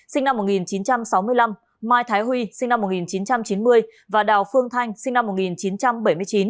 sinh năm một nghìn chín trăm sáu mươi năm mai thái huy sinh năm một nghìn chín trăm chín mươi và đào phương thanh sinh năm một nghìn chín trăm bảy mươi chín